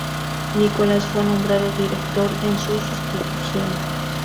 Nicolás fue nombrado director en su sustitución.